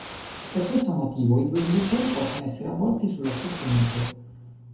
Per questo motivo, i due induttori possono essere avvolti sullo stesso nucleo.